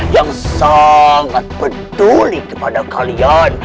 yang sangat peduli kepada kalian